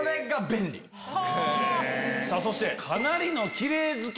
そしてかなりのキレイ好き。